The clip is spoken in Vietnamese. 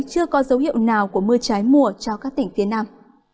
chưa có dấu hiệu nào của mưa trái mùa cho các tỉnh phía nam